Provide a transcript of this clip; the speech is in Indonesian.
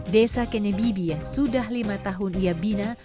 desa kennebibi yang sudah lima tahun ia bina